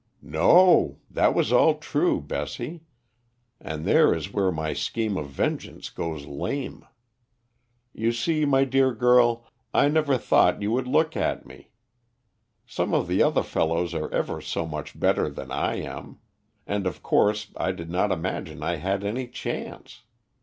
"No. That was all true, Bessie, and there is where my scheme of vengeance goes lame. You see, my dear girl, I never thought you would look at me; some of the other fellows are ever so much better than I am, and of course I did not imagine I had any chance.